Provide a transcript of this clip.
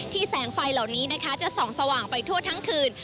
แสงไฟเหล่านี้นะคะจะส่องสว่างไปทั่วทั้งคืน